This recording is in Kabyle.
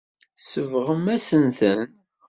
Tsebɣem-asen-ten.